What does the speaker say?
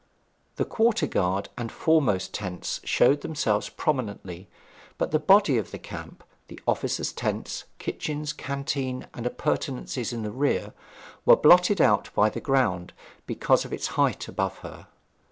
The quarter guard and foremost tents showed themselves prominently; but the body of the camp, the officers' tents, kitchens, canteen, and appurtenances in the rear were blotted out by the ground, because of its height above her.